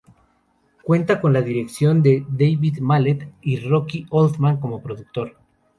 Cuenta con la dirección de David Mallet y Rocky Oldham como productor.